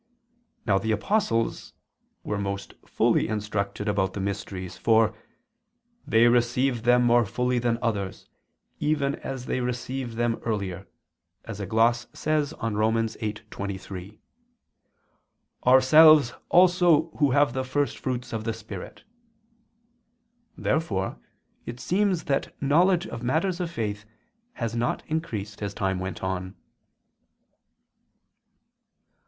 Now the apostles were most fully instructed about the mysteries, for "they received them more fully than others, even as they received them earlier," as a gloss says on Rom. 8:23: "Ourselves also who have the first fruits of the Spirit." Therefore it seems that knowledge of matters of faith has not increased as time went on.